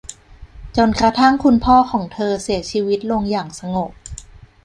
จนกระทั่งคุณพ่อของเธอเสียชีวิตลงอย่างสงบ